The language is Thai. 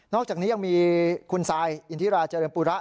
อกจากนี้ยังมีคุณซายอินทิราเจริญปุระ